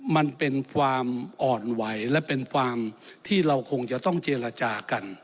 มันเป็นความอ่อนไหวและเป็นความที่เราคงจะต้องเจรจากัน